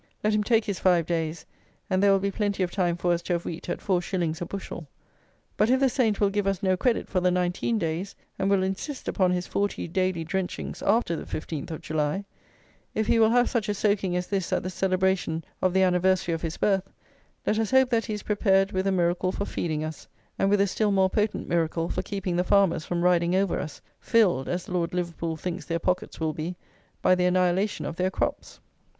Let him take his five days; and there will be plenty of time for us to have wheat at four shillings a bushel. But if the Saint will give us no credit for the 19 days, and will insist upon his forty daily drenchings after the fifteenth of July; if he will have such a soaking as this at the celebration of the anniversary of his birth, let us hope that he is prepared with a miracle for feeding us, and with a still more potent miracle for keeping the farmers from riding over us, filled, as Lord Liverpool thinks their pockets will be, by the annihilation of their crops!